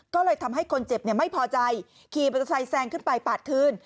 ก็เลยทำให้คนเจ็บไม่พอใจขี่มอเตอร์ไซค์แซงขึ้นไปปาดคืน